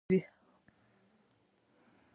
افغانستان کې هوا د نن او راتلونکي لپاره ارزښت لري.